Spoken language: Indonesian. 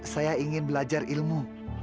saya ingin belajar ilmu